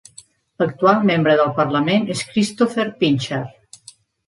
L'actual membre del parlament és Christopher Pincher.